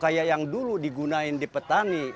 seperti yang dulu digunakan di petani